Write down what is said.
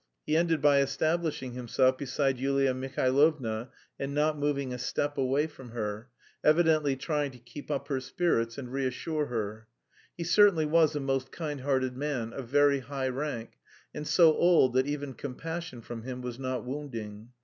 He ended by establishing himself beside Yulia Mihailovna and not moving a step away from her, evidently trying to keep up her spirits, and reassure her. He certainly was a most kind hearted man, of very high rank, and so old that even compassion from him was not wounding.